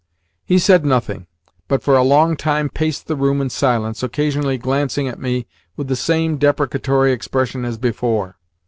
He said nothing, but for a long time paced the room in silence, occasionally glancing at me with the same deprecatory expression as before.